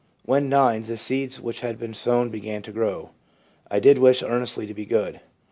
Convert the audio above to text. When 9 the seeds which had been sown began to grow. I did wish earnestly to be good.